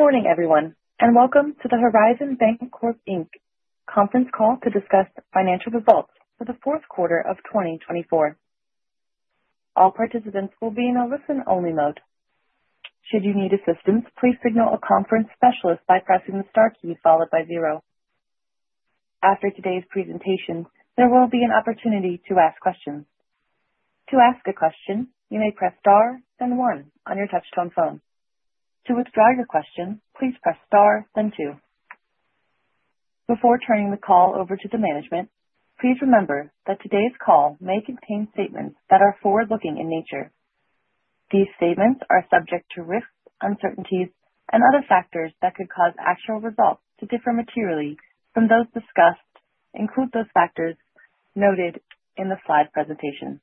Good morning, everyone, and welcome to the Horizon Bancorp Inc. conference call to discuss financial results for the fourth quarter of 2024. All participants will be in a listen-only mode. Should you need assistance, please signal a conference specialist by pressing the star key followed by zero. After today's presentation, there will be an opportunity to ask questions. To ask a question, you may press star then one on your touch-tone phone. To withdraw your question, please press star then two. Before turning the call over to the management, please remember that today's call may contain statements that are forward-looking in nature. These statements are subject to risks, uncertainties, and other factors that could cause actual results to differ materially from those discussed. Include those factors noted in the slide presentation.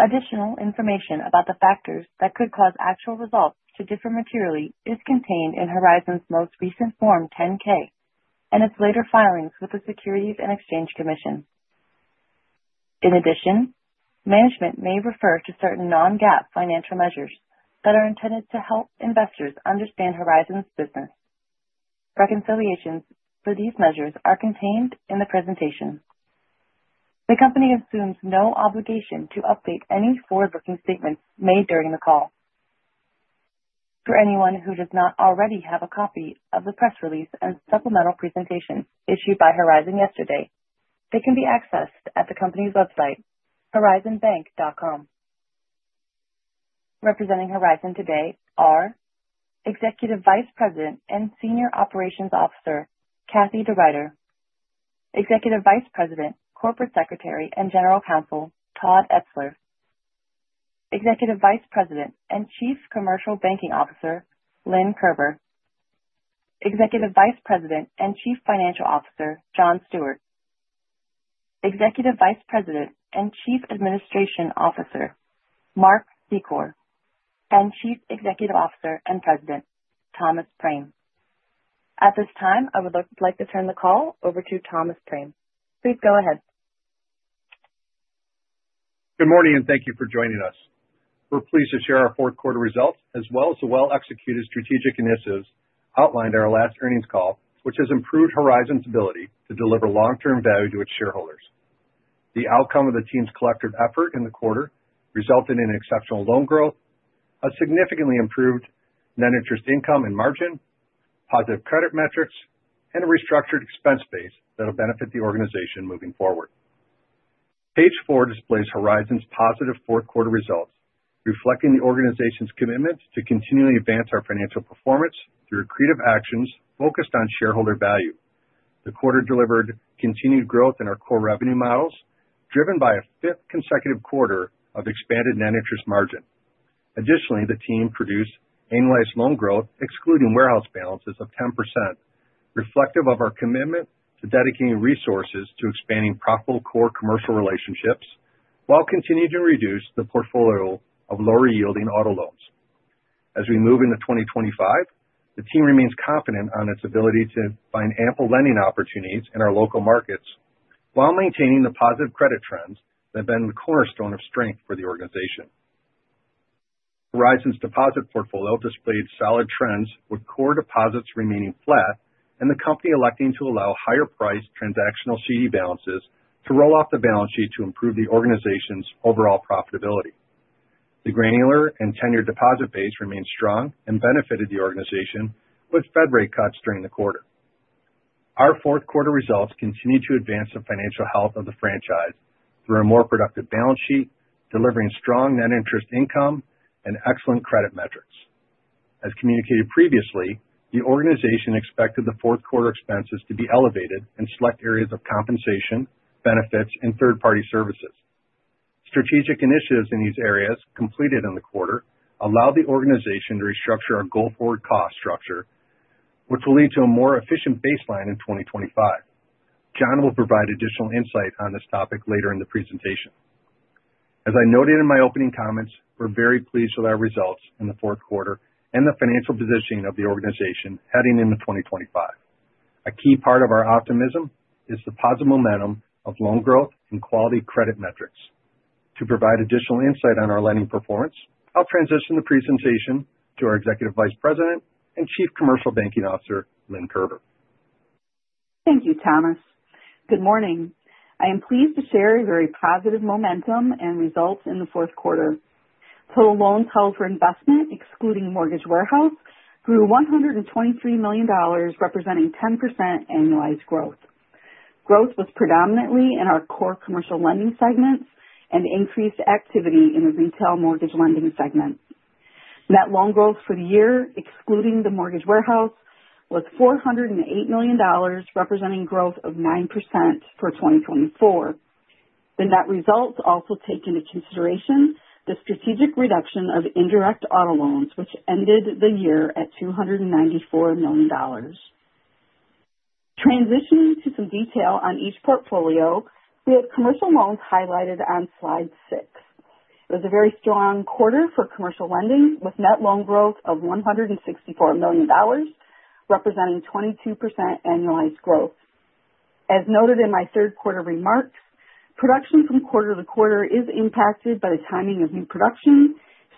Additional information about the factors that could cause actual results to differ materially is contained in Horizon's most recent Form 10-K and its later filings with the Securities and Exchange Commission. In addition, management may refer to certain non-GAAP financial measures that are intended to help investors understand Horizon's business. Reconciliations for these measures are contained in the presentation. The company assumes no obligation to update any forward-looking statements made during the call. For anyone who does not already have a copy of the press release and supplemental presentation issued by Horizon yesterday, they can be accessed at the company's website, horizonbank.com. Representing Horizon today are Executive Vice President and Senior Operations Officer, Kathie DeRuiter, Executive Vice President, Corporate Secretary, and General Counsel, Todd Etzler, Executive Vice President and Chief Commercial Banking Officer, Lynn Kerber, Executive Vice President and Chief Financial Officer, John Stewart, Executive Vice President and Chief Administration Officer, Mark Secor, and Chief Executive Officer and President, Thomas Prame. At this time, I would like to turn the call over to Thomas Prame. Please go ahead. Good morning and thank you for joining us. We're pleased to share our fourth quarter results, as well as the well-executed strategic initiatives outlined at our last earnings call, which has improved Horizon's ability to deliver long-term value to its shareholders. The outcome of the team's collective effort in the quarter resulted in exceptional loan growth, a significantly improved net interest income and margin, positive credit metrics, and a restructured expense base that will benefit the organization moving forward. Page four displays Horizon's positive fourth quarter results, reflecting the organization's commitment to continually advance our financial performance through creative actions focused on shareholder value. The quarter delivered continued growth in our core revenue models, driven by a fifth consecutive quarter of expanded net interest margin. Additionally, the team produced annualized loan growth, excluding warehouse balances of 10%, reflective of our commitment to dedicating resources to expanding profitable core commercial relationships while continuing to reduce the portfolio of lower-yielding auto loans. As we move into 2025, the team remains confident on its ability to find ample lending opportunities in our local markets while maintaining the positive credit trends that have been the cornerstone of strength for the organization. Horizon's deposit portfolio displayed solid trends, with core deposits remaining flat and the company electing to allow higher-priced transactional CD balances to roll off the balance sheet to improve the organization's overall profitability. The granular and tenured deposit base remained strong and benefited the organization with Fed rate cuts during the quarter. Our fourth quarter results continue to advance the financial health of the franchise through a more productive balance sheet, delivering strong net interest income and excellent credit metrics. As communicated previously, the organization expected the fourth quarter expenses to be elevated in select areas of compensation, benefits, and third-party services. Strategic initiatives in these areas completed in the quarter allow the organization to restructure our go-forward cost structure, which will lead to a more efficient baseline in 2025. John will provide additional insight on this topic later in the presentation. As I noted in my opening comments, we're very pleased with our results in the fourth quarter and the financial positioning of the organization heading into 2025. A key part of our optimism is the positive momentum of loan growth and quality credit metrics. To provide additional insight on our lending performance, I'll transition the presentation to our Executive Vice President and Chief Commercial Banking Officer, Lynn Kerber. Thank you, Thomas. Good morning. I am pleased to share a very positive momentum and results in the fourth quarter. Total loans held for investment, excluding mortgage warehouse, grew $123 million, representing 10% annualized growth. Growth was predominantly in our core commercial lending segments and increased activity in the retail mortgage lending segment. Net loan growth for the year, excluding the mortgage warehouse, was $408 million, representing growth of 9% for 2024. The net results also take into consideration the strategic reduction of indirect auto loans, which ended the year at $294 million. Transitioning to some detail on each portfolio, we had commercial loans highlighted on slide six. It was a very strong quarter for commercial lending, with net loan growth of $164 million, representing 22% annualized growth. As noted in my third quarter remarks, production from quarter to quarter is impacted by the timing of new production,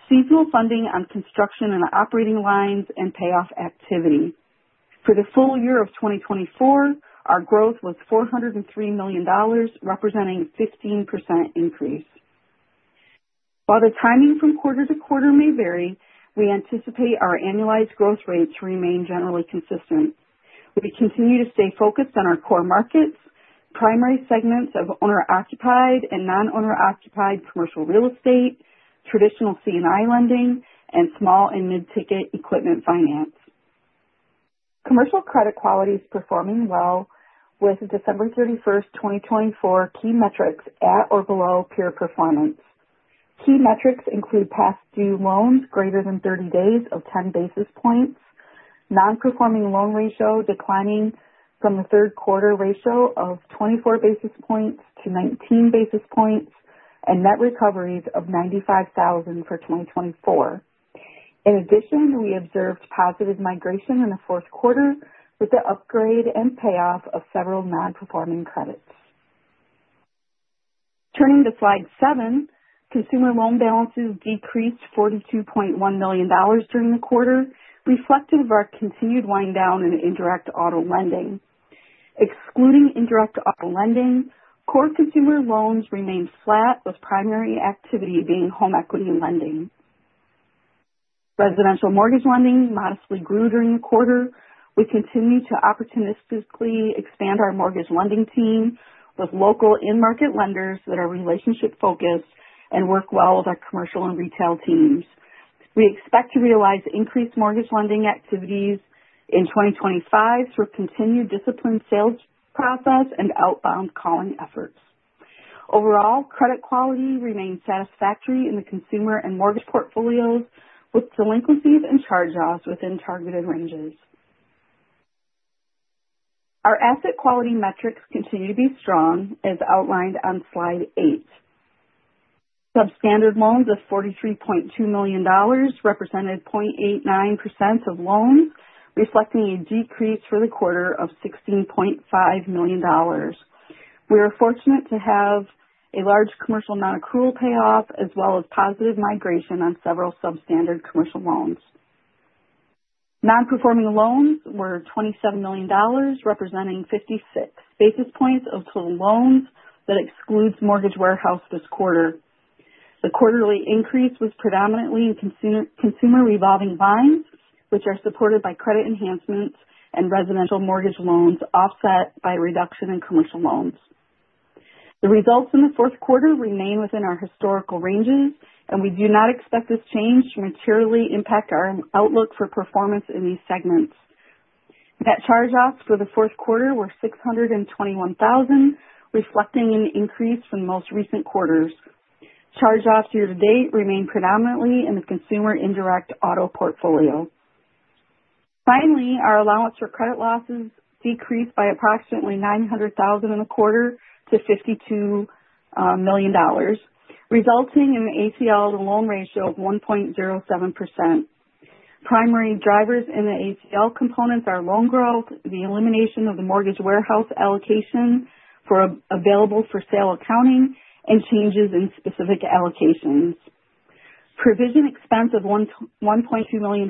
seasonal funding on construction and operating lines, and payoff activity. For the full year of 2024, our growth was $403 million, representing a 15% increase. While the timing from quarter to quarter may vary, we anticipate our annualized growth rates remain generally consistent. We continue to stay focused on our core markets, primary segments of owner-occupied and non-owner-occupied commercial real estate, traditional C&I lending, and small and mid-ticket equipment finance. Commercial credit quality is performing well, with December 31st, 2024, key metrics at or below peer performance. Key metrics include past due loans greater than 30 days of 10 basis points, non-performing loan ratio declining from the third quarter ratio of 24 basis points to 19 basis points, and net recoveries of $95,000 for 2024. In addition, we observed positive migration in the fourth quarter with the upgrade and payoff of several non-performing credits. Turning to slide seven, consumer loan balances decreased $42.1 million during the quarter, reflective of our continued wind down in indirect auto lending. Excluding indirect auto lending, core consumer loans remained flat, with primary activity being home equity lending. Residential mortgage lending modestly grew during the quarter. We continue to opportunistically expand our mortgage lending team with local in-market lenders that are relationship-focused and work well with our commercial and retail teams. We expect to realize increased mortgage lending activities in 2025 through continued disciplined sales process and outbound calling efforts. Overall, credit quality remained satisfactory in the consumer and mortgage portfolios, with delinquencies and charge-offs within targeted ranges. Our asset quality metrics continue to be strong, as outlined on slide eight. Substandard loans of $43.2 million represented 0.89% of loans, reflecting a decrease for the quarter of $16.5 million. We are fortunate to have a large commercial non-accrual payoff, as well as positive migration on several substandard commercial loans. Non-performing loans were $27 million, representing 56 basis points of total loans that excludes mortgage warehouse this quarter. The quarterly increase was predominantly in consumer revolving bonds, which are supported by credit enhancements and residential mortgage loans offset by reduction in commercial loans. The results in the fourth quarter remain within our historical ranges, and we do not expect this change to materially impact our outlook for performance in these segments. Net charge-offs for the fourth quarter were $621,000, reflecting an increase from most recent quarters. Charge-offs year-to-date remain predominantly in the consumer indirect auto portfolio. Finally, our allowance for credit losses decreased by approximately $900,000 in the quarter to $52 million, resulting in an ACL to loan ratio of 1.07%. Primary drivers in the ACL components are loan growth, the elimination of the mortgage warehouse allocation for available-for-sale accounting, and changes in specific allocations. Provision expense of $1.2 million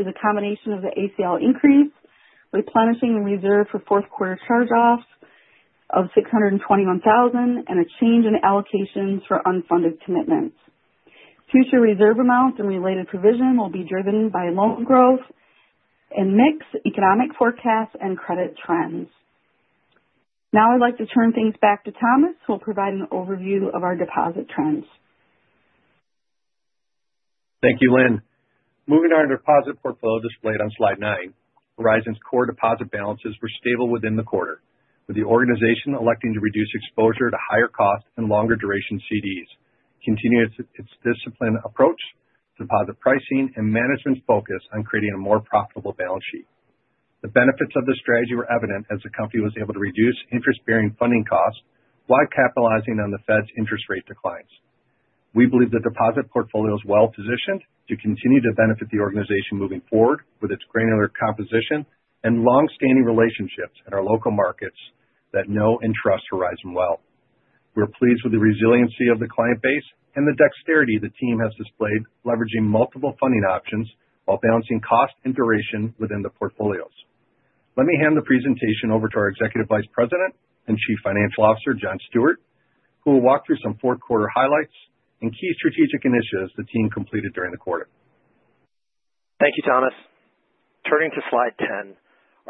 is a combination of the ACL increase, replenishing the reserve for fourth quarter charge-offs of $621,000, and a change in allocations for unfunded commitments. Future reserve amounts and related provision will be driven by loan growth and mixed economic forecasts and credit trends. Now I'd like to turn things back to Thomas, who will provide an overview of our deposit trends. Thank you, Lynn. Moving to our deposit portfolio displayed on slide nine, Horizon's core deposit balances were stable within the quarter, with the organization electing to reduce exposure to higher cost and longer-duration CDs, continuing its disciplined approach, deposit pricing, and management's focus on creating a more profitable balance sheet. The benefits of this strategy were evident as the company was able to reduce interest-bearing funding costs while capitalizing on the Fed's interest rate declines. We believe the deposit portfolio is well-positioned to continue to benefit the organization moving forward with its granular composition and long-standing relationships in our local markets that know and trust Horizon well. We're pleased with the resiliency of the client base and the dexterity the team has displayed, leveraging multiple funding options while balancing cost and duration within the portfolios. Let me hand the presentation over to our Executive Vice President and Chief Financial Officer, John Stewart, who will walk through some fourth quarter highlights and key strategic initiatives the team completed during the quarter. Thank you, Thomas. Turning to slide 10,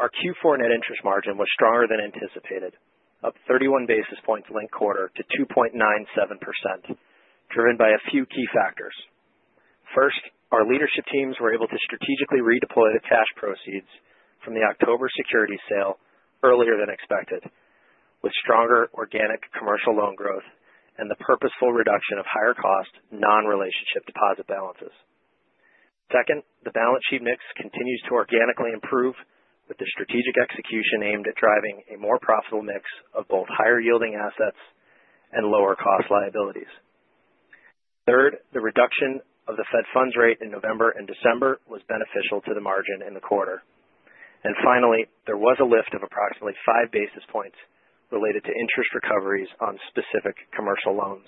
our Q4 net interest margin was stronger than anticipated, up 31 basis points the linked quarter to 2.97%, driven by a few key factors. First, our leadership teams were able to strategically redeploy the cash proceeds from the October securities sale earlier than expected, with stronger organic commercial loan growth and the purposeful reduction of higher-cost non-relationship deposit balances. Second, the balance sheet mix continues to organically improve, with the strategic execution aimed at driving a more profitable mix of both higher-yielding assets and lower-cost liabilities. Third, the reduction of the Fed funds rate in November and December was beneficial to the margin in the quarter. and finally, there was a lift of approximately five basis points related to interest recoveries on specific commercial loans.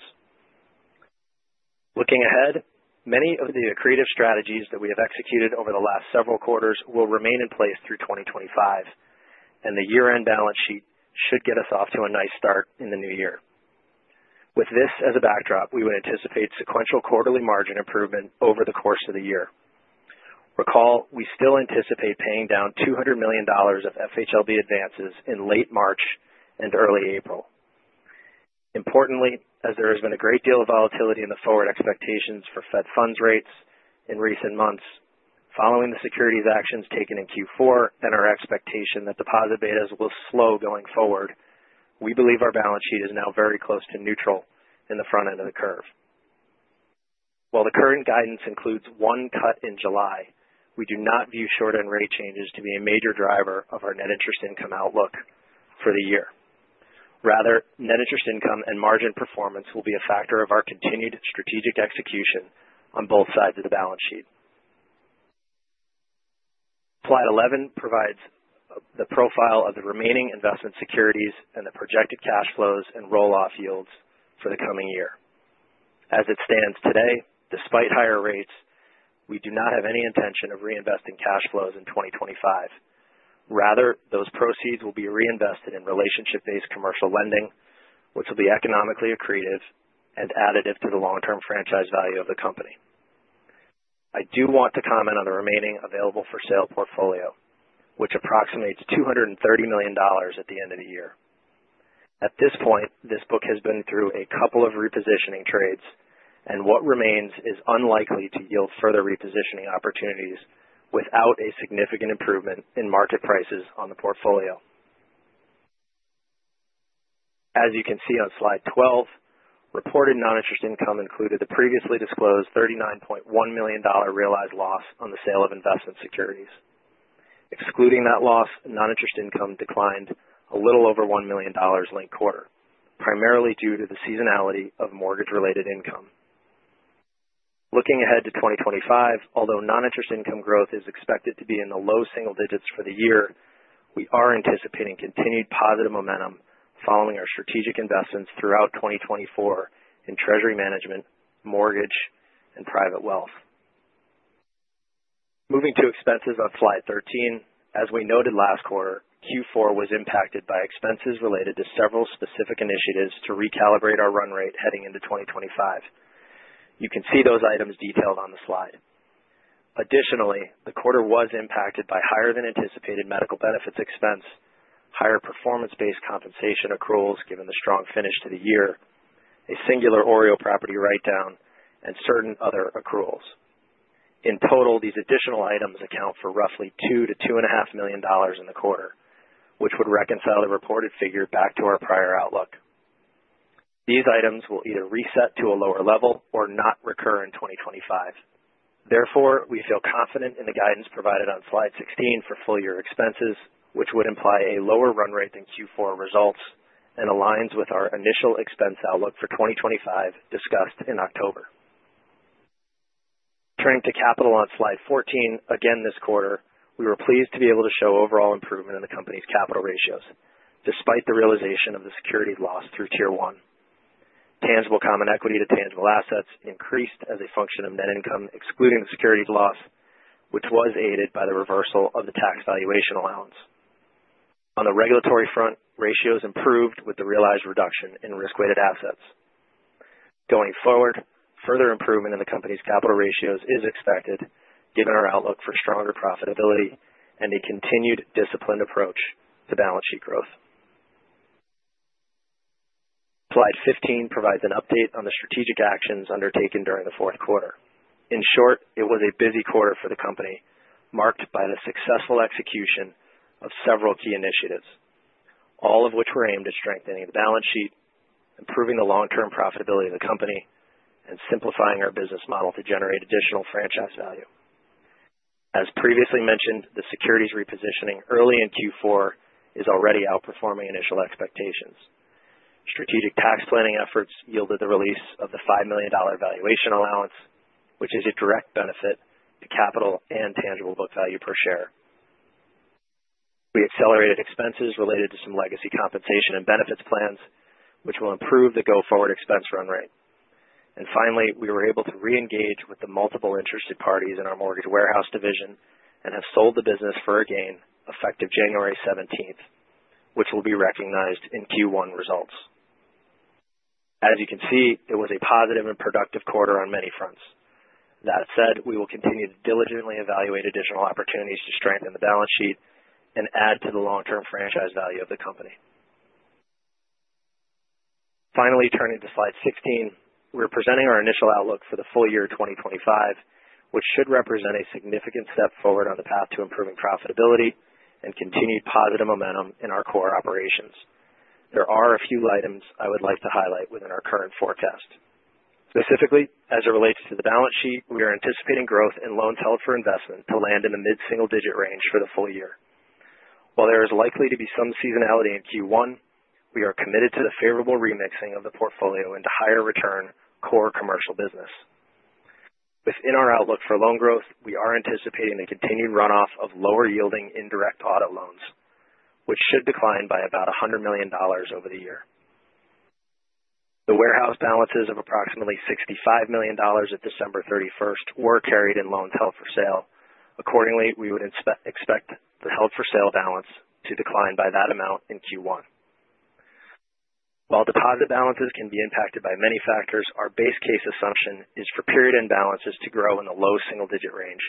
Looking ahead, many of the accretive strategies that we have executed over the last several quarters will remain in place through 2025, and the year-end balance sheet should get us off to a nice start in the new year. With this as a backdrop, we would anticipate sequential quarterly margin improvement over the course of the year. Recall, we still anticipate paying down $200 million of FHLB advances in late March and early April. Importantly, as there has been a great deal of volatility in the forward expectations for Fed funds rates in recent months following the securities actions taken in Q4 and our expectation that deposit betas will slow going forward, we believe our balance sheet is now very close to neutral in the front end of the curve. While the current guidance includes one cut in July, we do not view short-end rate changes to be a major driver of our net interest income outlook for the year. Rather, net interest income and margin performance will be a factor of our continued strategic execution on both sides of the balance sheet. Slide 11 provides the profile of the remaining investment securities and the projected cash flows and roll-off yields for the coming year. As it stands today, despite higher rates, we do not have any intention of reinvesting cash flows in 2025. Rather, those proceeds will be reinvested in relationship-based commercial lending, which will be economically accretive and additive to the long-term franchise value of the company. I do want to comment on the remaining available-for-sale portfolio, which approximates $230 million at the end of the year. At this point, this book has been through a couple of repositioning trades, and what remains is unlikely to yield further repositioning opportunities without a significant improvement in market prices on the portfolio. As you can see on slide 12, reported non-interest income included the previously disclosed $39.1 million realized loss on the sale of investment securities. Excluding that loss, non-interest income declined a little over $1 million linked quarter, primarily due to the seasonality of mortgage-related income. Looking ahead to 2025, although non-interest income growth is expected to be in the low single digits for the year, we are anticipating continued positive momentum following our strategic investments throughout 2024 in treasury management, mortgage, and private wealth. Moving to expenses on slide 13, as we noted last quarter, Q4 was impacted by expenses related to several specific initiatives to recalibrate our run rate heading into 2025. You can see those items detailed on the slide. Additionally, the quarter was impacted by higher-than-anticipated medical benefits expense, higher performance-based compensation accruals given the strong finish to the year, a singular OREO property write-down, and certain other accruals. In total, these additional items account for roughly $2-$2.5 million in the quarter, which would reconcile the reported figure back to our prior outlook. These items will either reset to a lower level or not recur in 2025. Therefore, we feel confident in the guidance provided on slide 16 for full-year expenses, which would imply a lower run rate than Q4 results and aligns with our initial expense outlook for 2025 discussed in October. Turning to capital on slide 14, again this quarter, we were pleased to be able to show overall improvement in the company's capital ratios, despite the realization of the securities loss through Tier 1. Tangible common equity to tangible assets increased as a function of net income excluding the securities loss, which was aided by the reversal of the tax valuation allowance. On the regulatory front, ratios improved with the realized reduction in risk-weighted assets. Going forward, further improvement in the company's capital ratios is expected given our outlook for stronger profitability and a continued disciplined approach to balance sheet growth. Slide 15 provides an update on the strategic actions undertaken during the fourth quarter. In short, it was a busy quarter for the company, marked by the successful execution of several key initiatives, all of which were aimed at strengthening the balance sheet, improving the long-term profitability of the company, and simplifying our business model to generate additional franchise value. As previously mentioned, the securities repositioning early in Q4 is already outperforming initial expectations. Strategic tax planning efforts yielded the release of the $5 million valuation allowance, which is a direct benefit to capital and tangible book value per share. We accelerated expenses related to some legacy compensation and benefits plans, which will improve the go-forward expense run rate. And finally, we were able to reengage with the multiple interested parties in our mortgage warehouse division and have sold the business for a gain effective January 17th, which will be recognized in Q1 results. As you can see, it was a positive and productive quarter on many fronts. That said, we will continue to diligently evaluate additional opportunities to strengthen the balance sheet and add to the long-term franchise value of the company. Finally, turning to slide 16, we're presenting our initial outlook for the full year 2025, which should represent a significant step forward on the path to improving profitability and continued positive momentum in our core operations. There are a few items I would like to highlight within our current forecast. Specifically, as it relates to the balance sheet, we are anticipating growth in loans held for investment to land in the mid-single-digit range for the full year. While there is likely to be some seasonality in Q1, we are committed to the favorable remixing of the portfolio into higher-return core commercial business. Within our outlook for loan growth, we are anticipating the continued run-off of lower-yielding indirect auto loans, which should decline by about $100 million over the year. The warehouse balances of approximately $65 million at December 31st were carried in loans held for sale. Accordingly, we would expect the held-for-sale balance to decline by that amount in Q1. While deposit balances can be impacted by many factors, our base case assumption is for period-end balances to grow in the low single-digit range,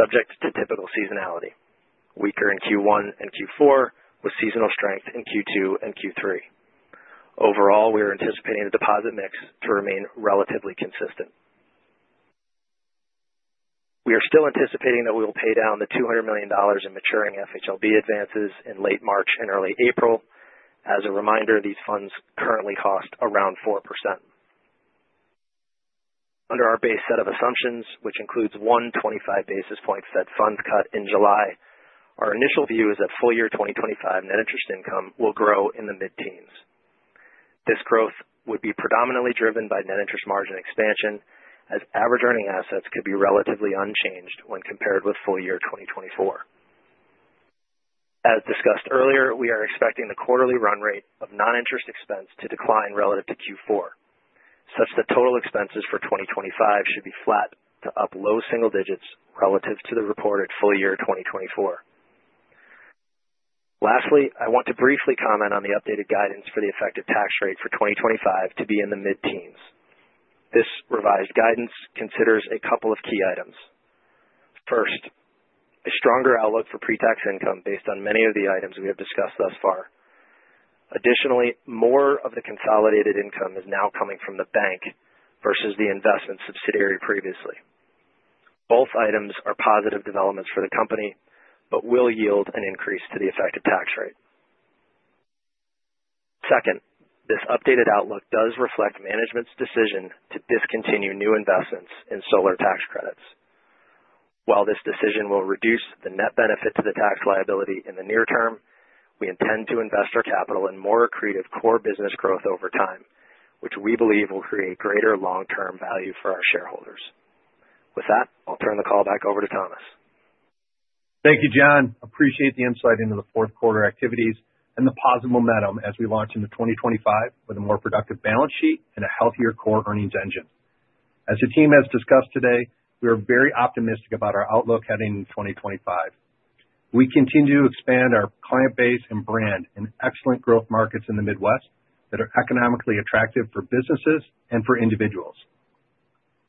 subject to typical seasonality: weaker in Q1 and Q4, with seasonal strength in Q2 and Q3. Overall, we are anticipating the deposit mix to remain relatively consistent. We are still anticipating that we will pay down the $200 million in maturing FHLB advances in late March and early April. As a reminder, these funds currently cost around 4%. Under our base set of assumptions, which includes one 25 basis point Fed funds cut in July, our initial view is that full-year 2025 net interest income will grow in the mid-teens. This growth would be predominantly driven by net interest margin expansion, as average-earning assets could be relatively unchanged when compared with full-year 2024. As discussed earlier, we are expecting the quarterly run rate of non-interest expense to decline relative to Q4, such that total expenses for 2025 should be flat to up low single digits relative to the reported full-year 2024. Lastly, I want to briefly comment on the updated guidance for the effective tax rate for 2025 to be in the mid-teens. This revised guidance considers a couple of key items. First, a stronger outlook for pre-tax income based on many of the items we have discussed thus far. Additionally, more of the consolidated income is now coming from the bank versus the investment subsidiary previously. Both items are positive developments for the company but will yield an increase to the effective tax rate. Second, this updated outlook does reflect management's decision to discontinue new investments in solar tax credits. While this decision will reduce the net benefit to the tax liability in the near term, we intend to invest our capital in more accretive core business growth over time, which we believe will create greater long-term value for our shareholders. With that, I'll turn the call back over to Thomas. Thank you, John. Appreciate the insight into the fourth quarter activities and the positive momentum as we launch into 2025 with a more productive balance sheet and a healthier core earnings engine. As the team has discussed today, we are very optimistic about our outlook heading into 2025. We continue to expand our client base and brand in excellent growth markets in the Midwest that are economically attractive for businesses and for individuals.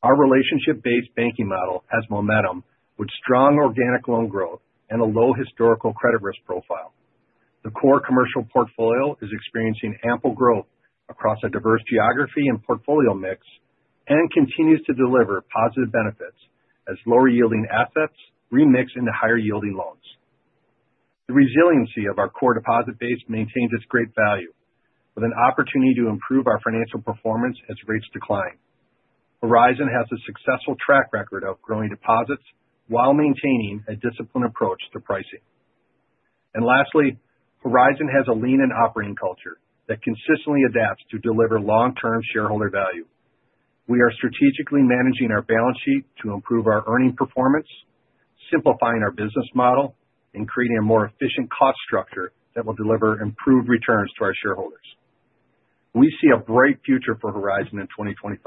Our relationship-based banking model has momentum with strong organic loan growth and a low historical credit risk profile. The core commercial portfolio is experiencing ample growth across a diverse geography and portfolio mix and continues to deliver positive benefits as lower-yielding assets remix into higher-yielding loans. The resiliency of our core deposit base maintains its great value, with an opportunity to improve our financial performance as rates decline. Horizon has a successful track record of growing deposits while maintaining a disciplined approach to pricing. Lastly, Horizon has a lean and operating culture that consistently adapts to deliver long-term shareholder value. We are strategically managing our balance sheet to improve our earnings performance, simplifying our business model, and creating a more efficient cost structure that will deliver improved returns to our shareholders. We see a bright future for Horizon in 2025,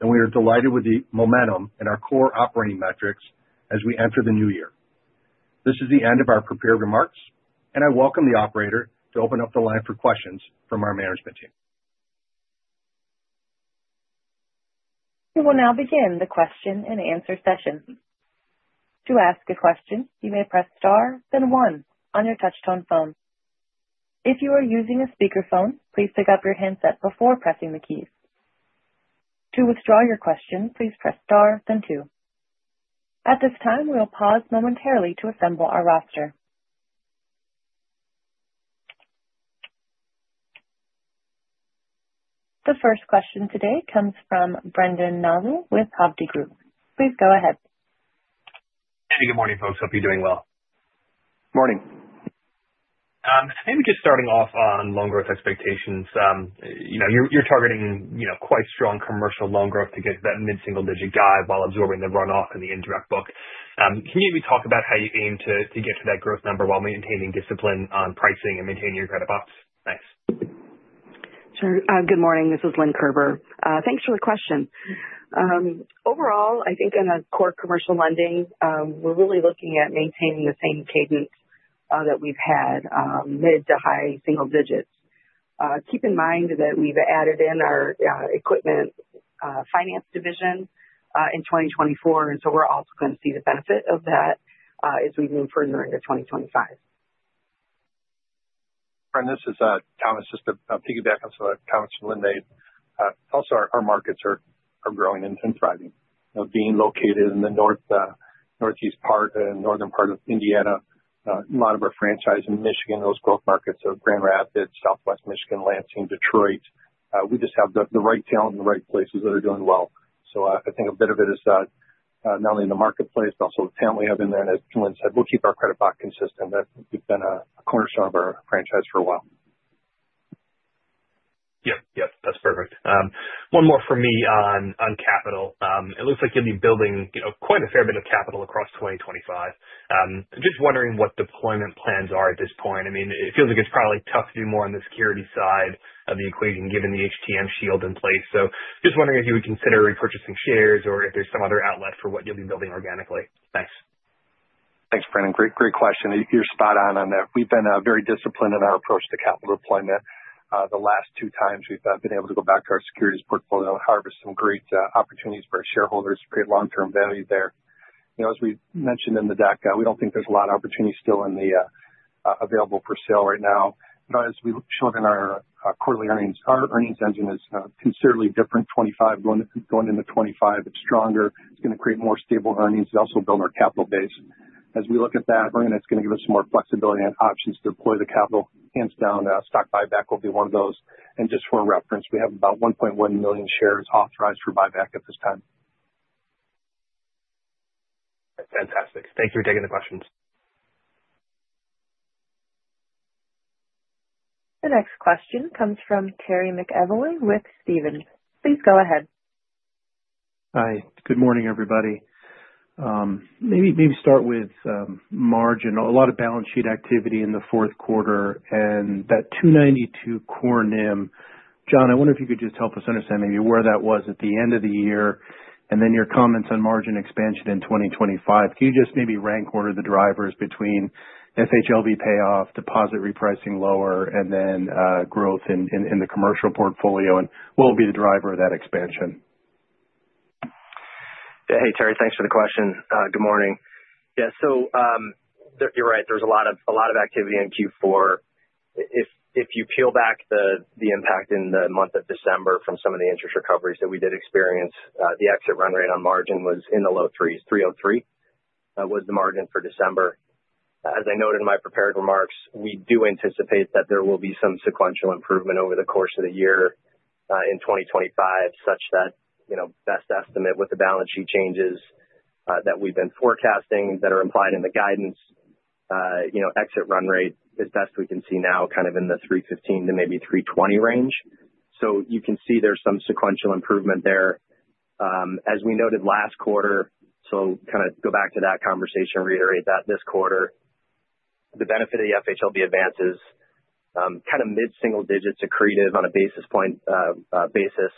and we are delighted with the momentum in our core operating metrics as we enter the new year. This is the end of our prepared remarks, and I welcome the operator to open up the line for questions from our management team. We will now begin the question and answer session. To ask a question, you may press star, then one on your touch-tone phone. If you are using a speakerphone, please pick up your handset before pressing the keys. To withdraw your question, please press star, then two. At this time, we will pause momentarily to assemble our roster. The first question today comes from Brendan Nosal with Hovde Group. Please go ahead. Hey, good morning, folks. Hope you're doing well. Morning. Maybe just starting off on loan growth expectations. You're targeting quite strong commercial loan growth to get that mid-single-digit guid while absorbing the run-off in the indirect book. Can you maybe talk about how you aim to get to that growth number while maintaining discipline on pricing and maintaining your credit box? Thanks. Sure. Good morning. This is Lynn Kerber. Thanks for the question. Overall, I think in our core commercial lending, we're really looking at maintaining the same cadence that we've had, mid to high single digits. Keep in mind that we've added in our equipment finance division in 2024, and so we're also going to see the benefit of that as we move further into 2025. This is Thomas. Just to piggyback on some of what Thomas and Lynn made, also our markets are growing and thriving. Being located in the northeast part and northern part of Indiana, a lot of our franchise in Michigan, those growth markets of Grand Rapids, Southwest Michigan, Lansing, Detroit, we just have the right talent in the right places that are doing well. So I think a bit of it is not only in the marketplace, but also the talent we have in there. And as Lynn said, we'll keep our credit box consistent. We've been a cornerstone of our franchise for a while. Yep, yep. That's perfect. One more from me on capital. It looks like you'll be building quite a fair bit of capital across 2025. Just wondering what deployment plans are at this point. I mean, it feels like it's probably tough to do more on the security side of the equation given the HTM shield in place. So just wondering if you would consider repurchasing shares or if there's some other outlet for what you'll be building organically. Thanks. Thanks, Brendan. Great question. You're spot on on that. We've been very disciplined in our approach to capital deployment. The last two times, we've been able to go back to our securities portfolio and harvest some great opportunities for our shareholders to create long-term value there. As we mentioned in the deck, we don't think there's a lot of opportunity still available for sale right now. As we showed in our quarterly earnings, our earnings engine is considerably different. 25 going into 25, it's stronger. It's going to create more stable earnings. It'll also build our capital base. As we look at that, Brendan, it's going to give us some more flexibility and options to deploy the capital. Hands down, stock buyback will be one of those. And just for reference, we have about 1.1 million shares authorized for buyback at this time. Fantastic. Thank you for taking the questions. The next question comes from Terry McEvoy with Stephens. Please go ahead. Hi. Good morning, everybody. Maybe start with margin. A lot of balance sheet activity in the fourth quarter and that 292 core NIM. John, I wonder if you could just help us understand maybe where that was at the end of the year and then your comments on margin expansion in 2025. Can you just maybe rank order the drivers between FHLB payoff, deposit repricing lower, and then growth in the commercial portfolio? What will be the driver of that expansion? Hey, Terry. Thanks for the question. Good morning. Yeah. You're right. There's a lot of activity in Q4. If you peel back the impact in the month of December from some of the interest recoveries that we did experience, the exit run rate on margin was in the low threes. 303 was the margin for December. As I noted in my prepared remarks, we do anticipate that there will be some sequential improvement over the course of the year in 2025, such that best estimate with the balance sheet changes that we've been forecasting that are implied in the guidance, exit run rate is best we can see now in the 315 to maybe 320 range. So you can see there's some sequential improvement there. As we noted last quarter, so go back to that conversation, reiterate that this quarter, the benefit of the FHLB advance is mid-single digits accretive on a basis point basis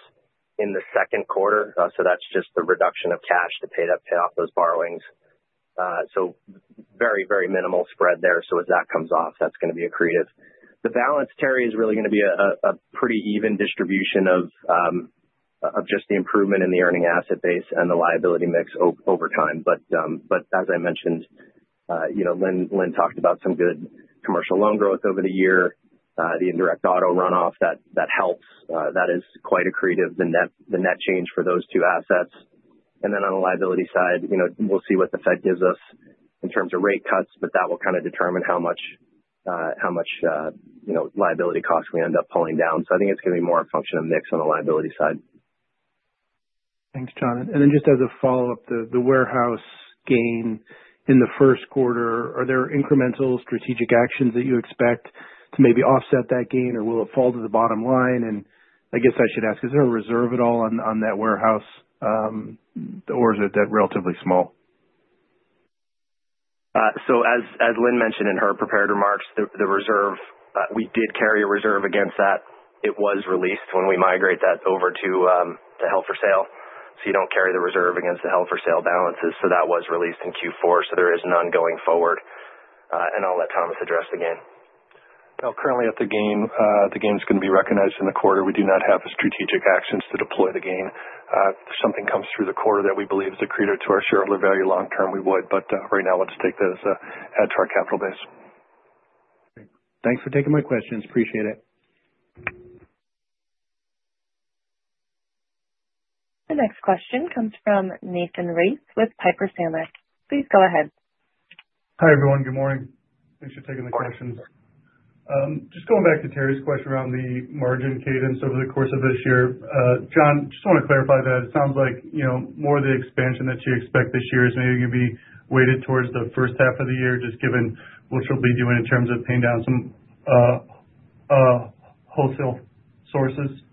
in the second quarter. That's just the reduction of cash to pay off those borrowings. Very, very minimal spread there. As that comes off, that's going to be accretive. The balance, Terry, is really going to be a pretty even distribution of just the improvement in the earning asset base and the liability mix over time. As I mentioned, Lynn talked about some good commercial loan growth over the year, the indirect auto run-off that helps. That is quite accretive, the net change for those two assets. Then on the liability side, we'll see what the Fed gives us in terms of rate cuts, but that will determine how much liability costs we end up pulling down. I think it's going to be more a function of mix on the liability side. Thanks, John. And then just as a follow-up, the warehouse gain in the first quarter, are there incremental strategic actions that you expect to maybe offset that gain, or will it fall to the bottom line? I should ask, is there a reserve at all on that warehouse, or is it relatively small? As Lynn mentioned in her prepared remarks, the reserve. We did carry a reserve against that. It was released when we migrate that over to the held-for-sale. So you don't carry the reserve against the held-for-sale balances. That was released in Q4. So there is an ongoing forward, and I'll let Thomas address again. Currently, if the gain is going to be recognized in the quarter, we do not have the strategic actions to deploy the gain. If something comes through the quarter that we believe is accretive to our shareholder value long-term, we would. But right now, we'll just take that as an add to our capital base. Thanks for taking my questions. Appreciate it. The next question comes from Nathan Race with Piper Sandler. Please go ahead. Hi, everyone. Good morning. Thanks for taking the questions. Just going back to Terry's question around the margin cadence over the course of this year, John, just want to clarify that it sounds like more of the expansion that you expect this year is maybe going to be weighted towards the first half of the year, just given what you'll be doing in terms of paying down some wholesale sources?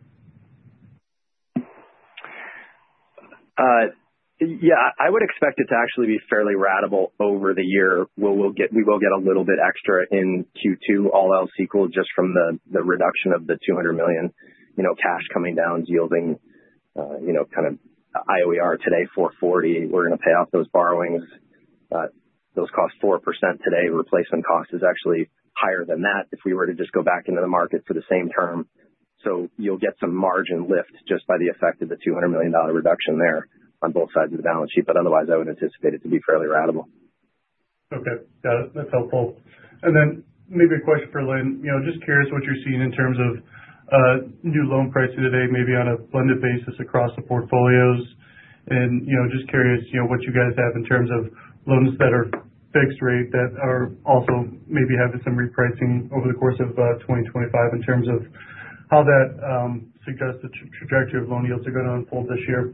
Yeah. I would expect it to actually be fairly ratable over the year. We will get a little bit extra in Q2, all else equal, just from the reduction of the $200 million cash coming down, yielding IOER today 440. We're going to pay off those borrowings. Those cost 4% today. Replacement cost is actually higher than that if we were to just go back into the market for the same term. So you'll get some margin lift just by the effect of the $200 million reduction there on both sides of the balance sheet. But otherwise, I would anticipate it to be fairly ratable. Okay. That's helpful. Then maybe a question for Lynn. Just curious what you're seeing in terms of new loan pricing today, maybe on a blended basis across the portfolios. Just curious what you guys have in terms of loans that are fixed rate that are also maybe having some repricing over the course of 2025 in terms of how that suggests the trajectory of loan yields are going to unfold this year.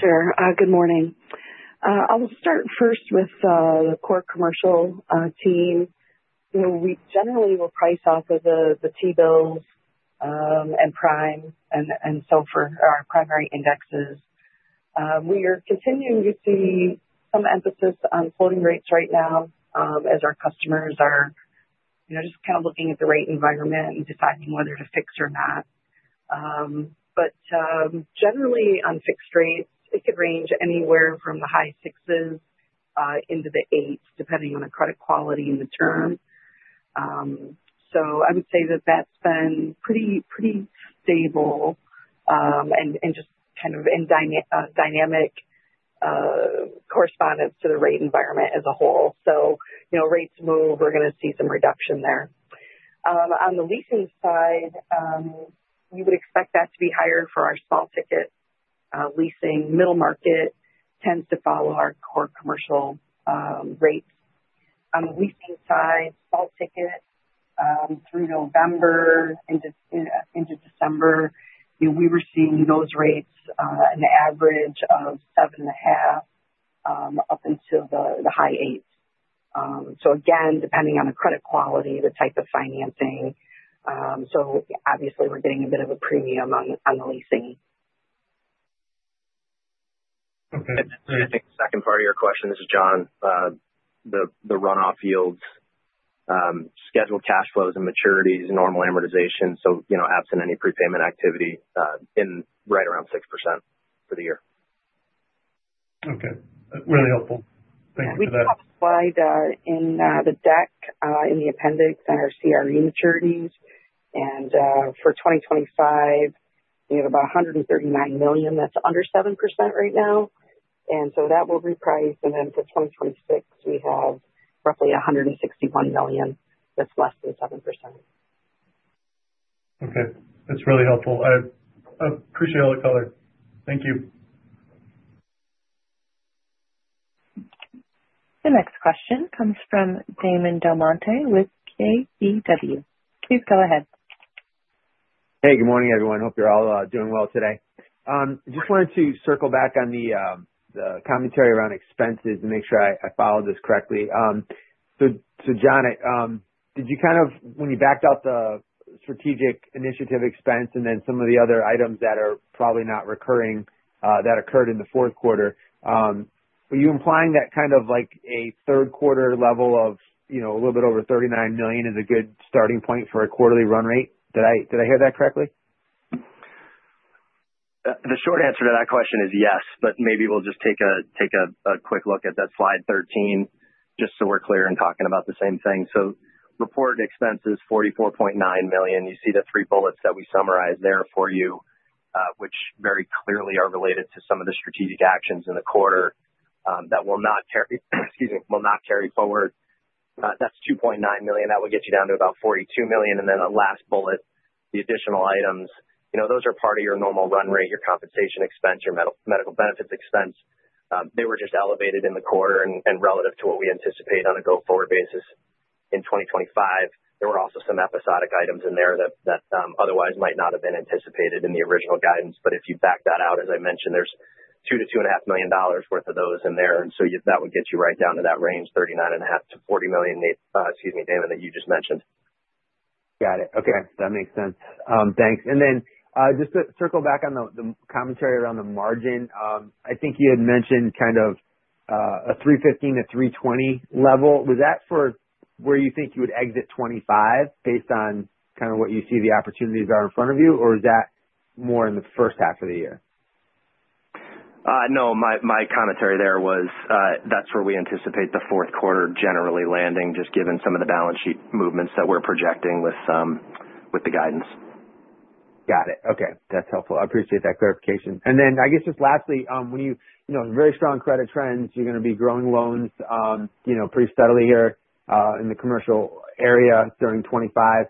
Sure. Good morning. I'll start first with the core commercial team. We generally will price off of the T-bills and prime and so for our primary indexes. We are continuing to see some emphasis on floating rates right now as our customers are just looking at the rate environment and deciding whether to fix or not. But generally, on fixed rates, it could range anywhere from the high sixes into the eights, depending on the credit quality and the term. So I would say that that's been pretty stable and just in dynamic correspondence to the rate environment as a whole. So rates move, we're going to see some reduction there. On the leasing side, you would expect that to be higher for our small ticket leasing. Middle market tends to follow our core commercial rates. On the leasing side, small-ticket through November into December, we were seeing those rates an average of seven and a half up until the high eights, so again, depending on the credit quality, the type of financing, so obviously, we're getting a bit of a premium on the leasing. Okay. I think the second part of your question is, John, the run-off yields, scheduled cash flows and maturities, normal amortization, so absent any prepayment activity is right around 6% for the year. Okay. Really helpful. Thanks for that. We've applied in the deck, in the appendix, on our CRE maturities, and for 2025, we have about $139 million. That's under 7% right now, and then for 2026, we have roughly $161 million. That's less than 7%. Okay. That's really helpful. I appreciate all the color. Thank you. The next question comes from Damon DelMonte with KBW. Please go ahead. Hey, good morning, everyone. Hope you're all doing well today. Just wanted to circle back on the commentary around expenses and make sure I followed this correctly. John, did you, when you backed out the strategic initiative expense and then some of the other items that are probably not recurring that occurred in the fourth quarter, were you implying that like a third quarter level of a little bit over $39 million is a good starting point for a quarterly run rate? Did I hear that correctly? The short answer to that question is yes, but maybe we'll just take a quick look at that slide 13 just so we're clear in talking about the same thing. So reported expenses, $44.9 million. You see the three bullets that we summarized there for you, which very clearly are related to some of the strategic actions in the quarter that will not carry excuse me, will not carry forward. That's $2.9 million. That will get you down to about $42 million. And then the last bullet, the additional items, those are part of your normal run rate, your compensation expense, your medical benefits expense. They were just elevated in the quarter and relative to what we anticipate on a go-forward basis in 2025. There were also some episodic items in there that otherwise might not have been anticipated in the original guidance. But if you back that out, as I mentioned, there's $2 million-$2.5 million worth of those in there. And so that would get you right down to that range, $39.5 million-$40 million, excuse me, Damon, that you just mentioned. Got it. Okay. That makes sense. Thanks. And then just to circle back on the commentary around the margin, I think you had mentioned a 315-320 level. Was that for where you think you would exit 2025 based on what you see the opportunities are in front of you, or is that more in the first half of the year? No. My commentary there was, that's where we anticipate the fourth quarter generally landing, just given some of the balance sheet movements that we're projecting with the guidance. Got it. Okay. That's helpful. I appreciate that clarification. And then I guess just lastly, when you have very strong credit trends, you're going to be growing loans pretty steadily here in the commercial area during 2025.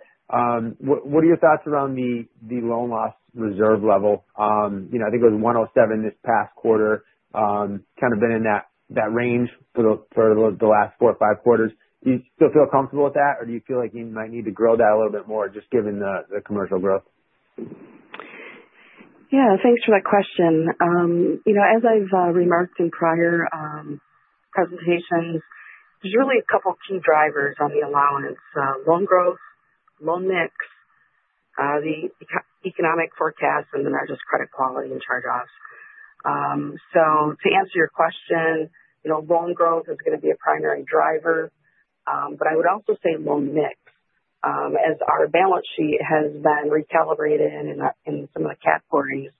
What are your thoughts around the loan loss reserve level? I think it was 107 this past quarter, been in that range for the last four or five quarters. Do you still feel comfortable with that, or do you feel like you might need to grow that a little bit more just given the commercial growth? Yeah. Thanks for that question. As I've remarked in prior presentations, there's really a couple of key drivers on the allowance: loan growth, loan mix, the economic forecast, and then there's just credit quality and charge-offs. So to answer your question, loan growth is going to be a primary driver. But I would also say loan mix, as our balance sheet has been recalibrated in some of the categories,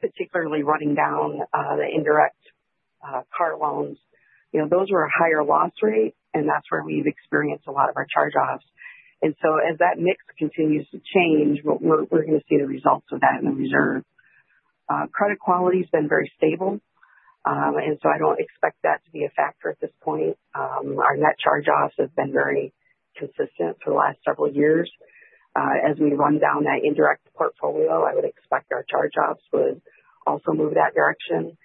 particularly running down the indirect car loans, those were a higher loss rate, and that's where we've experienced a lot of our charge-offs. And so as that mix continues to change, we're going to see the results of that in the reserve. Credit quality has been very stable. And so I don't expect that to be a factor at this point. Our net charge-offs have been very consistent for the last several years. As we run down that indirect portfolio, I would expect our charge-offs would also move that direction.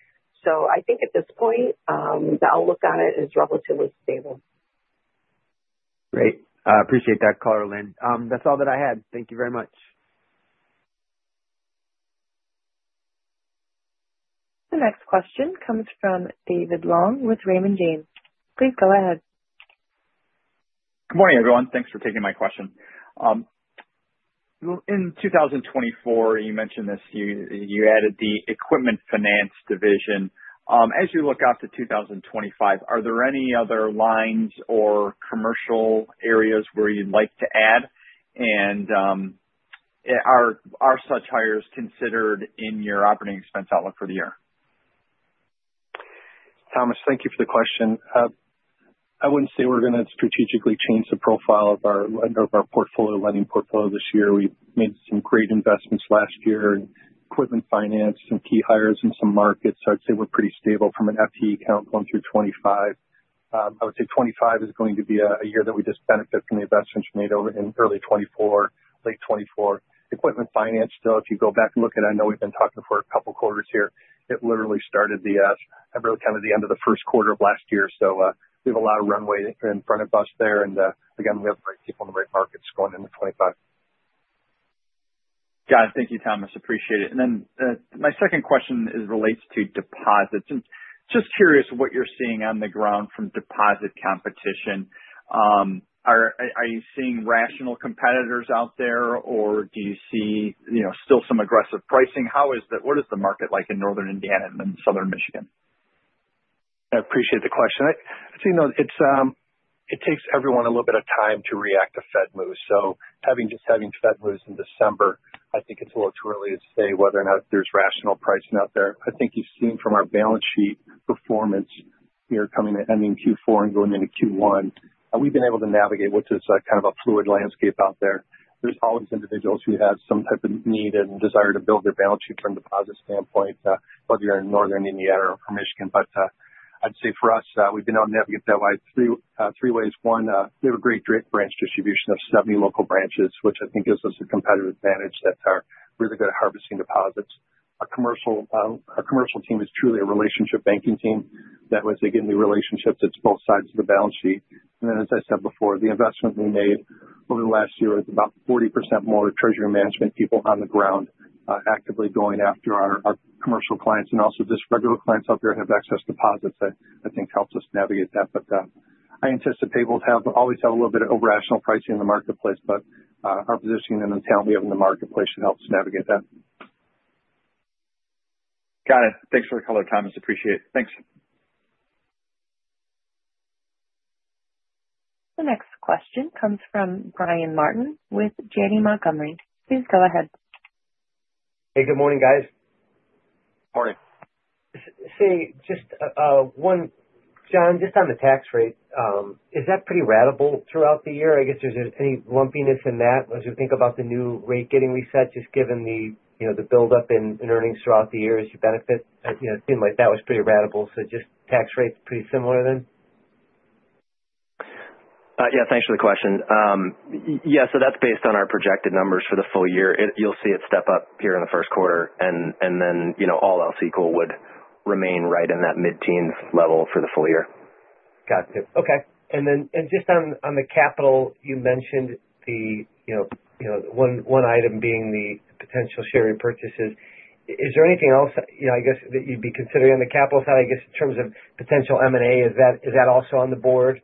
So I think at this point, the outlook on it is relatively stable. Great. Appreciate that call, Lynn. That's all that I had. Thank you very much. The next question comes from David Long with Raymond James. Please go ahead. Good morning, everyone. Thanks for taking my question. In 2024, you mentioned this, you added the equipment finance division. As you look out to 2025, are there any other lines or commercial areas where you'd like to add? Are such hires considered in your operating expense outlook for the year? Thomas, thank you for the question. I wouldn't say we're going to strategically change the profile of our portfolio, lending portfolio this year. We made some great investments last year in equipment finance, some key hires, and some markets. So I'd say we're pretty stable from an FTE count going through 2025. I would say 2025 is going to be a year that we just benefit from the investments made over in early 2024, late 2024. Equipment finance, though, if you go back and look at it, I know we've been talking for a couple of quarters here. It literally started the the end of the first quarter of last year. So we have a lot of runway in front of us there. And again, we have the right people in the right markets going into 2025. Got it. Thank you, Thomas. Appreciate it. And then my second question relates to deposits. Just curious what you're seeing on the ground from deposit competition. Are you seeing rational competitors out there, or do you see still some aggressive pricing? What is the market like in Northern Indiana and then Southern Michigan? I appreciate the question. It takes everyone a little bit of time to react to Fed moves. So just having Fed moves in December, I think it's a little too early to say whether or not there's rational pricing out there. I think you've seen from our balance sheet performance here coming to ending Q4 and going into Q1, we've been able to navigate with this a fluid landscape out there. There's always individuals who have some type of need and desire to build their balance sheet from a deposit standpoint, whether you're in Northern Indiana or Michigan. But I'd say for us, we've been able to navigate that way three ways. One, we have a great branch distribution of 70 local branches, which I think gives us a competitive advantage that's really good at harvesting deposits. Our commercial team is truly a relationship banking team that was, again, the relationship that's both sides of the balance sheet. And then, as I said before, the investment we made over the last year is about 40% more of the treasury management people on the ground actively going after our commercial clients. And also just regular clients out there have access to deposits that I think helps us navigate that. But I anticipate we'll always have a little bit of irrational pricing in the marketplace. But our positioning and the talent we have in the marketplace should help us navigate that. Got it. Thanks for the color, Thomas. Appreciate it. Thanks. The next question comes from Brian Martin with Janney Montgomery Scott. Please go ahead. Hey, good morning, guys. Morning. John, just on the tax rate, is that pretty ratable throughout the year? I guess there's any lumpiness in that as you think about the new rate getting reset, just given the buildup in earnings throughout the year as you benefit? It seemed like that was pretty ratable. So just tax rates pretty similar then? Yeah. Thanks for the question. Yeah. That's based on our projected numbers for the full year. You'll see it step up here in the first quarter, and then all else equal would remain right in that mid-teens level for the full year. Gotcha. Okay. Then just on the capital, you mentioned one item being the potential share repurchases. Is there anything else, I guess, that you'd be considering on the capital side, I guess, in terms of potential M&A? Is that also on the board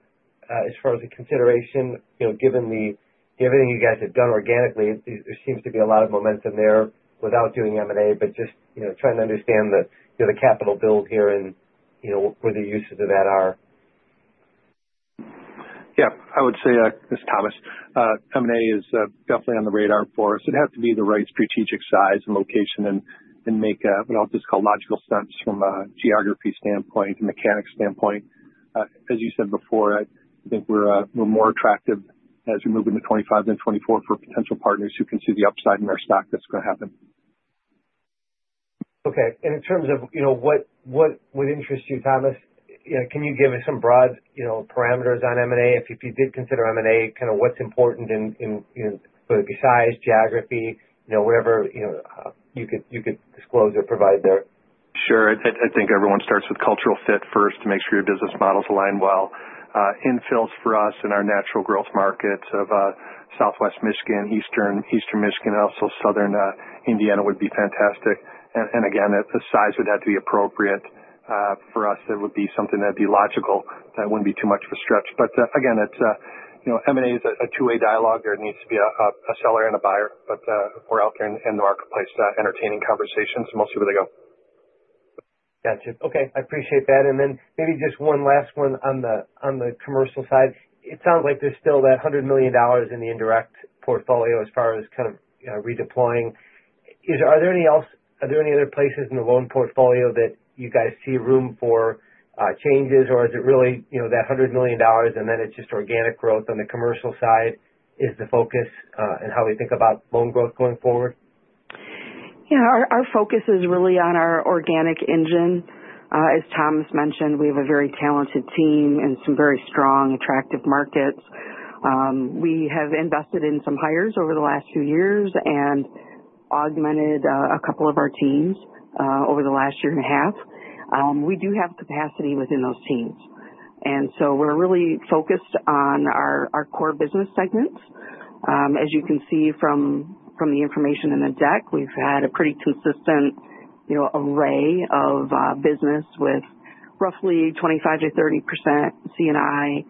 as far as a consideration? Given everything you guys have done organically, there seems to be a lot of momentum there without doing M&A, but just trying to understand the capital build here and where the uses of that are. Yeah. I would say, as Thomas, M&A is definitely on the radar for us. It has to be the right strategic size and location and make what I'll just call logical sense from a geography standpoint and mechanics standpoint. As you said before, I think we're more attractive as we move into 2025 than 2024 for potential partners who can see the upside in our stock that's going to happen. Okay, and in terms of what would interest you, Thomas, can you give us some broad parameters on M&A? If you did consider M&A,what's important besides geography, whatever you could disclose or provide there? Sure. I think everyone starts with cultural fit first to make sure your business models align well. Infills for us in our natural growth markets of Southwest Michigan, Eastern Michigan, and also Southern Indiana would be fantastic. And again, the size would have to be appropriate for us. It would be something that'd be logical that wouldn't be too much of a stretch. But again, M&A is a two-way dialogue. There needs to be a seller and a buyer. But we're out there in the marketplace entertaining conversations, mostly where they go. Gotcha. Okay. I appreciate that. And then maybe just one last one on the commercial side. It sounds like there's still that $100 million in the indirect portfolio as far as redeploying. Are there any other places in the loan portfolio that you guys see room for changes, or is it really that $100 million and then it's just organic growth on the commercial side is the focus and how we think about loan growth going forward? Yeah. Our focus is really on our organic engine. As Thomas mentioned, we have a very talented team and some very strong, attractive markets. We have invested in some hires over the last few years and augmented a couple of our teams over the last year and a half. We do have capacity within those teams. And so we're really focused on our core business segments. As you can see from the information in the deck, we've had a pretty consistent array of business with roughly 25%-30% C&I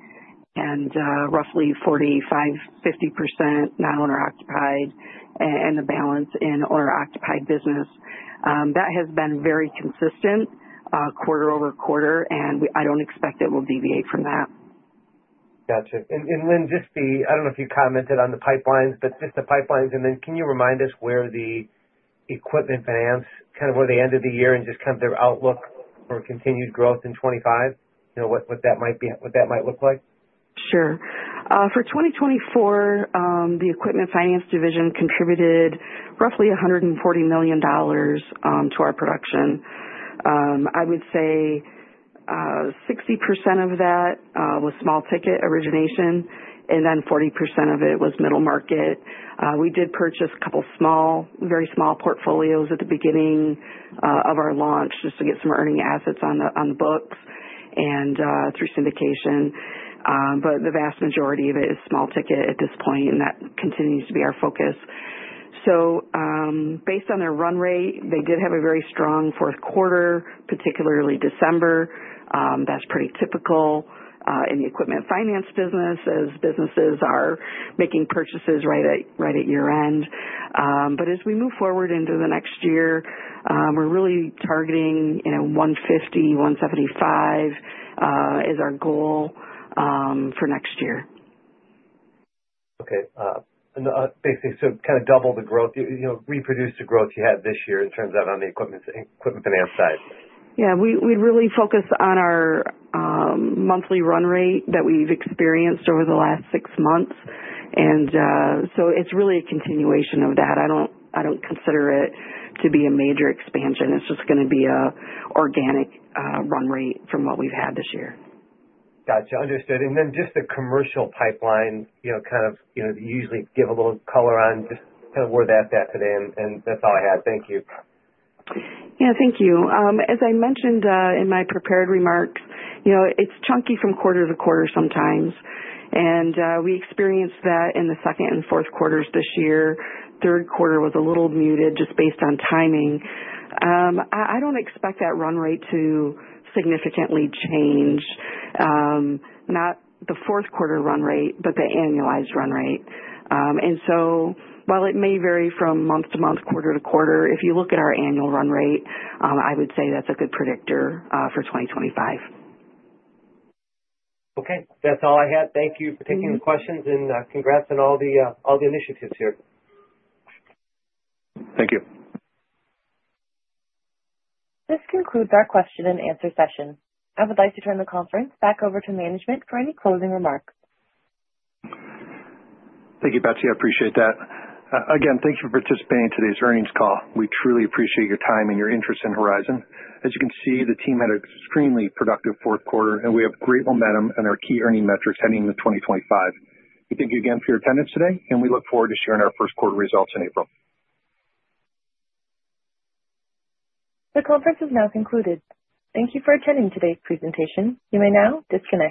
and roughly 45%-50% non-owner-occupied and the balance in owner-occupied business. That has been very consistent quarter over quarter, and I don't expect it will deviate from that. Gotcha. Lynn, just, I don't know if you commented on the pipelines, but just the pipelines. And then can you remind us where the equipment finance, where they ended the year and just their outlook for continued growth in 2025, what that might look like? Sure. For 2024, the equipment finance division contributed roughly $140 million to our production. I would say 60% of that was small ticket origination, and then 40% of it was middle market. We did purchase a couple of very small portfolios at the beginning of our launch just to get some earning assets on the books and through syndication. But the vast majority of it is small ticket at this point, and that continues to be our focus. So based on their run rate, they did have a very strong fourth quarter, particularly December. That's pretty typical in the equipment finance business as businesses are making purchases right at year-end. But as we move forward into the next year, we're really targeting 150-175. That is our goal for next year. Okay, and basically, double the growth, reproduce the growth you had this year in terms of on the equipment finance side. Yeah. We'd really focus on our monthly run rate that we've experienced over the last six months. And so it's really a continuation of that. I don't consider it to be a major expansion. It's just going to be an organic run rate from what we've had this year. Gotcha. Understood. Then just the commercial pipeline, usually give a little color on just kind of where that's at today. That's all I had. Thank you. Yeah. Thank you. As I mentioned in my prepared remarks, it's chunky from quarter to quarter sometimes. And we experienced that in the second and fourth quarters this year. Third quarter was a little muted just based on timing. I don't expect that run rate to significantly change, not the fourth quarter run rate, but the annualized run rate. While it may vary from month to month, quarter to quarter, if you look at our annual run rate, I would say that's a good predictor for 2025. Okay. That's all I had. Thank you for taking the questions and congrats on all the initiatives here. Thank you. This concludes our question and answer session. I would like to turn the conference back over to management for any closing remarks. Thank you, Betsy. I appreciate that. Again, thank you for participating in today's earnings call. We truly appreciate your time and your interest in Horizon. As you can see, the team had an extremely productive fourth quarter, and we have great momentum in our key earnings metrics heading into 2025. We thank you again for your attendance today, and we look forward to sharing our first quarter results in April. The conference is now concluded. Thank you for attending today's presentation. You may now disconnect.